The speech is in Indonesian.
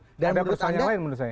ada persoalan yang lain menurut saya